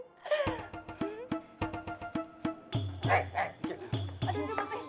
eh eh dikit